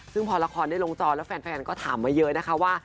ซึ่งพอละครได้ลงจอแล้วแฟนก็ถามมาเยอะนะคะว่า